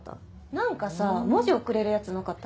何かさ文字送れるやつなかった？